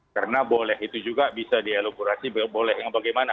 karena boleh itu juga bisa dielaborasi boleh yang bagaimana